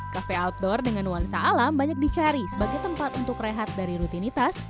kafe outdoor dengan nuansa alam banyak dicari sebagai tempat untuk rehat dari rutinitas